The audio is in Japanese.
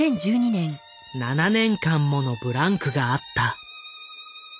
７年間ものブランクがあった。